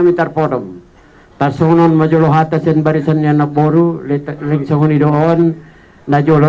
witar forum tasonon majuloh hatta sen barisan yang naburu letak link sehuni doon najoloh